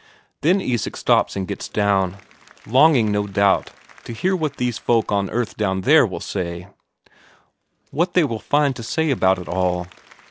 Then Isak stops and gets down. Longing, no doubt, to hear what these folk on earth down there will say; what they will find to say about it all.